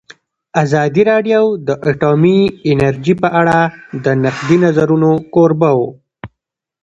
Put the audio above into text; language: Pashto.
ازادي راډیو د اټومي انرژي په اړه د نقدي نظرونو کوربه وه.